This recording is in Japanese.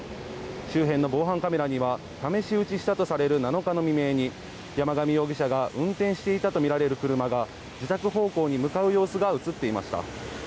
周辺の防犯カメラには試し撃ちしたとされる７日の未明に山上容疑者が運転していたとみられる車が自宅方向に向かう様子が映っていました。